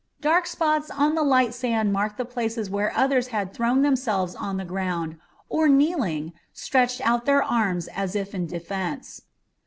Dark spots on the light sand marked the places where others had thrown themselves on the ground, or, kneeling, stretched out their arms as if in defence.